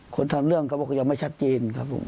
คนทำเรื่องเขาบอกยังไม่ชัดเจนครับผม